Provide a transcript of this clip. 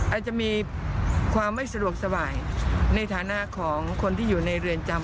อาจจะมีความไม่สะดวกสบายในฐานะของคนที่อยู่ในเรือนจำ